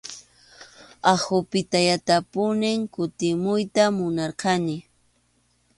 Aqupiyatapunim kutimuyta munarqani.